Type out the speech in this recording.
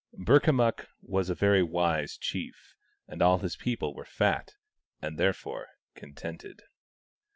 Burkamukk was a very wise chief, and all his people were fat, and therefore contented.